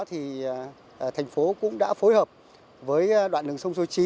thì thành phố cũng đã phối hợp với đoạn đường sông số chín